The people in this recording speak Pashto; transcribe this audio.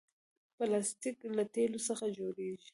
پلاستيک له تیلو څخه جوړېږي.